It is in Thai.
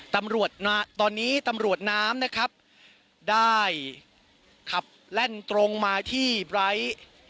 ตอนนี้ตำรวจน้ำนะครับได้ขับแล่นตรงมาที่ไบร์ท